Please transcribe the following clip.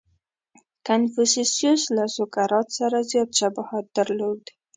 • کنفوسیوس له سوکرات سره زیات شباهت درلود.